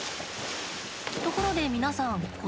ところで皆さんうお！